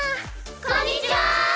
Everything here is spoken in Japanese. こんにちは！